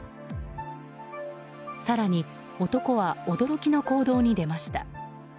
更に男は驚きの行動に出ました。